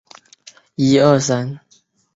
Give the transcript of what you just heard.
沧源近溪蟹为溪蟹科近溪蟹属的动物。